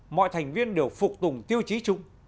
mọi thành viên đều phục tùng tiêu chí chung